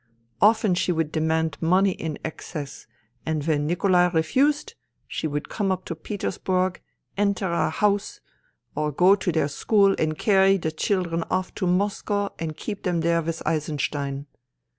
Often she would demand money in excess, and when Nikolai refused, she would come up to Petersburg, enter our house, or go to their school and carry the children off to Moscow and keep them there with Eisenstein.